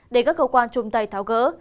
để các cơ quan chung tay tháo gỡ